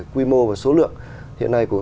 quy mô và số lượng hiện nay của